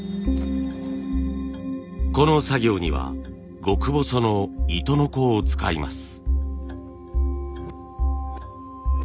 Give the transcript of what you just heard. この作業には極細の糸鋸を使います。